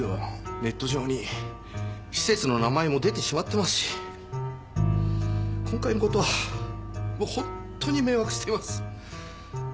ネット上に施設の名前も出てしまってますし今回の事は本当に迷惑しています。